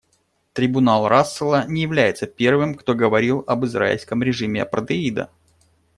Трибунал Рассела не является первым, кто говорил об израильском режиме апартеида.